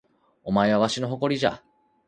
お前はわしの誇りじゃ